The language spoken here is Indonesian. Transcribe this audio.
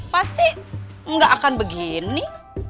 pasti gak akan begini